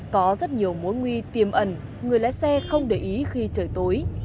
có rất nhiều mối nguy tiềm ẩn người lái xe không để ý khi trời tối